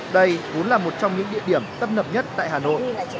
đây cũng là một trong những địa điểm tấp nập nhất tại hà nội